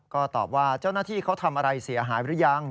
ก็ตอบว่าเจ้าหน้าที่เขาทำอะไรเสียหายหรือยัง